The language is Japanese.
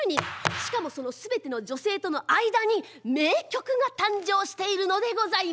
しかもその全ての女性との間に名曲が誕生しているのでございます。